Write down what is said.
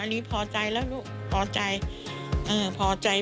อันนี้พอใจแล้วลูกพอใจ